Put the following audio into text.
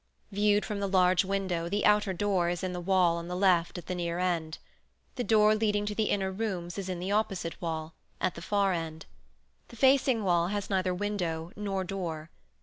Viewed from the large window the outer door is in the wall on the left at the near end. The door leading to the inner rooms is in the opposite wall, at the far end. The facing wall has neither window nor door.